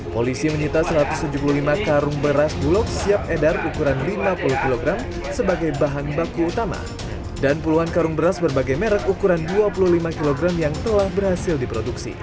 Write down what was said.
polisi menyita satu ratus tujuh puluh lima karung beras bulog siap edar ukuran lima puluh kg sebagai bahan baku utama dan puluhan karung beras berbagai merek ukuran dua puluh lima kg yang telah berhasil diproduksi